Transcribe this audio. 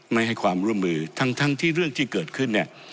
ไม่ให้ความร่วมมือทั้งที่เรื่องที่เกิดขึ้นเนี่ย